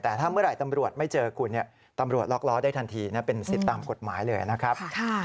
แต่ถ้าเมื่อไหร่ตำรวจไม่เจอคุณตำรวจล็อกล้อได้ทันทีเป็นสิทธิ์ตามกฎหมายเลยนะครับ